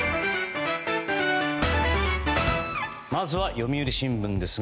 まずは読売新聞です。